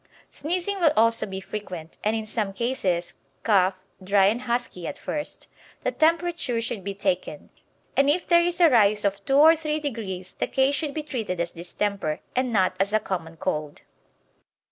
Sneezing will also be frequent, and in some cases cough, dry and husky at first. The temperature should be taken, and if there is a rise of two or three degrees the case should be treated as distemper, and not as a common cold.